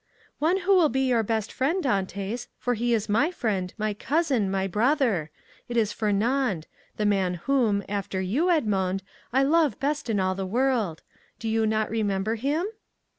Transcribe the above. "One who will be your best friend, Dantès, for he is my friend, my cousin, my brother; it is Fernand—the man whom, after you, Edmond, I love the best in the world. Do you not remember him?"